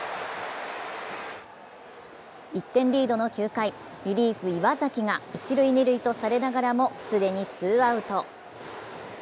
１点リードの９回、リリーフ・岩崎が一・二塁とされながらも既にツーアウト。